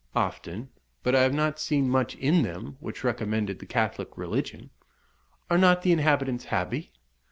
"Often; but I have not seen much in them which recommended the Catholic religion." "Are not the inhabitants happy?"